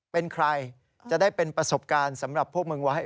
เป็นใครจะได้เป็นประสบการณ์สำหรับพวกมึงไว้